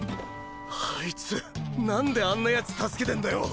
あいつなんであんなヤツ助けてんだよ。